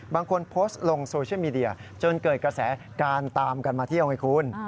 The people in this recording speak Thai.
บางคนโพสต์ลงโซเชียลมีเดียจนเกิดกระแสการตามกันมาเที่ยวไงคุณ